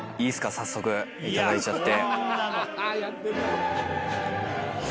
早速いただいちゃって。